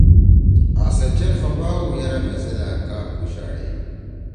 آسے چیر خفا ہُو یرأ مھیسیت آ کا پُوشاڑے ہی۔